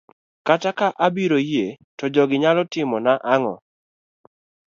kata ka abiro yie to jogi nyalo timona ang'o?